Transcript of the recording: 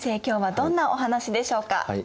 今日はどんなお話でしょうか？